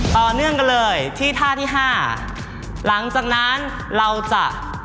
ต่อเนื่องกันเลยที่ท่าที่ห้าหลังจากนั้นเราจะ